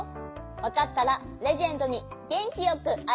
わかったらレジェンドにげんきよくあいさつしようね。